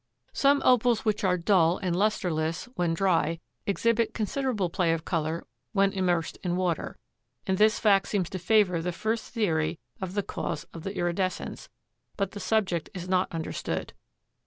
Some Opals which are dull and lusterless when dry exhibit considerable play of color when immersed in water, and this fact seems to favor the first theory of the cause of the iridescence, but the subject is not understood.